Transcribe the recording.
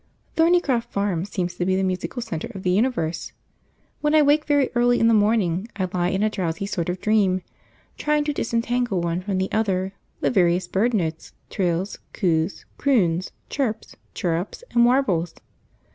Thornycroft Farm seems to be the musical centre of the universe. When I wake very early in the morning I lie in a drowsy sort of dream, trying to disentangle, one from the other, the various bird notes, trills, coos, croons, chirps, chirrups, and warbles.